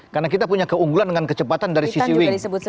karena kita punya keunggulan dengan kecepatan dari sisi wing